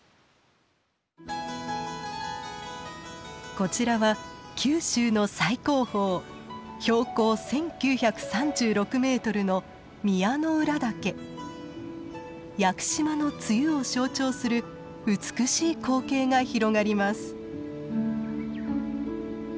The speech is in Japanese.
こちらは九州の最高峰標高１，９３６メートルの屋久島の梅雨を象徴する美しい光景が広がります。